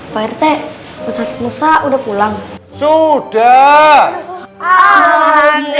pak rt usah usah udah pulang sudah